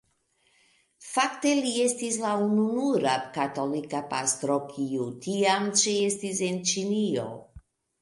Fakte li estis la ununura katolika pastro kiu tiam ĉeestis en Ĉinio.